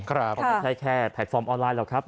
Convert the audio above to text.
ไม่ใช่แค่แผลคฟอร์มออนไลน์หรอกครับ